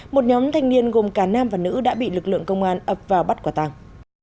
một nhóm thanh niên gồm cả nam và nữ đã bị lực lượng công an ập vào bắt quả tàng